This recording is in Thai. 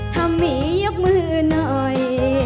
ถ้ามียกมือหน่อย